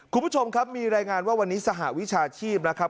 คุณผู้ชมครับมีรายงานว่าวันนี้สหวิชาชีพนะครับ